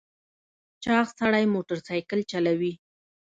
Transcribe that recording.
چاغ سړی موټر سایکل چلوي .